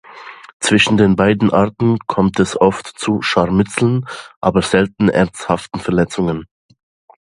Zwischen den beiden Arten kommt es oft zu Scharmützeln, aber selten ernsthaften Verletzungen.